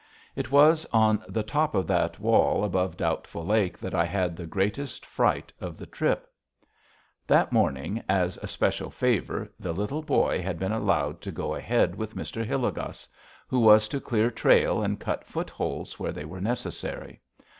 It was on the top of that wall above Doubtful Lake that I had the greatest fright of the trip. That morning, as a special favor, the Little Boy had been allowed to go ahead with Mr. Hilligoss, who was to clear trail and cut footholds where they were necessary.